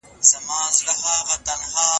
رابعه به خپله کیسه تکرار کړي.